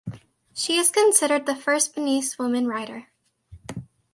She is considered the first Beninese woman writer.